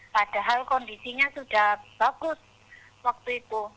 padahal kondisinya sudah bagus waktu itu